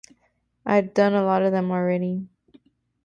I'd done a lot of them already.